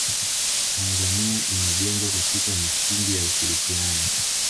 tanzania imejengwa katika misingi ya ushirikiano